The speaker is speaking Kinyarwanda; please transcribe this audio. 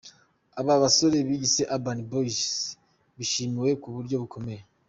Aba basore biyise 'Urban Boys' bishimiwe mu buryo bukomeye.